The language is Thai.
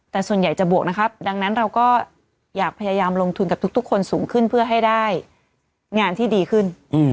แต่ส่วนใหญ่จะบวกนะครับดังนั้นเราก็อยากพยายามลงทุนกับทุกคนสูงขึ้นเพื่อให้ได้งานที่ดีขึ้น